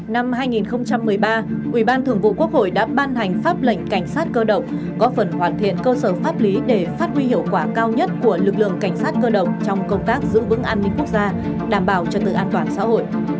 năm hai nghìn một mươi ba ubthqh đã ban hành pháp lệnh cảnh sát cơ động có phần hoàn thiện cơ sở pháp lý để phát huy hiệu quả cao nhất của lực lượng cảnh sát cơ động trong công tác giữ vững an ninh quốc gia đảm bảo cho tự an toàn xã hội